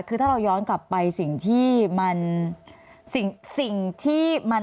คือถ้าเราย้อนกลับไปสิ่งที่มัน